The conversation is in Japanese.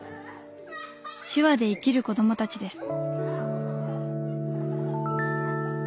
手話で生きる子どもたちです。